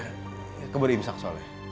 kayaknya baru imsak soalnya